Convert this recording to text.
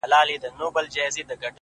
o د هغه ورځي څه مي؛